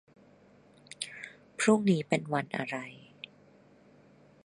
พรุ่งนี้เป็นวันอะไร